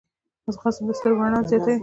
ځغاسته د سترګو رڼا زیاتوي